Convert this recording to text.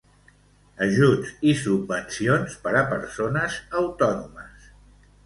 Ajuts i subvencions per a persones autònomes.